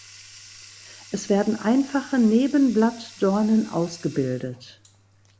Es werden einfache Nebenblattdornen ausgebildet.